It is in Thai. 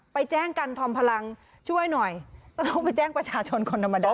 ไปแจ้งกันทอมพลังช่วยหน่อยก็ต้องไปแจ้งประชาชนคนธรรมดา